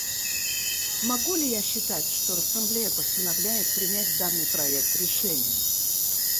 Могу ли я считать, что Ассамблея постановляет принять данный проект решения?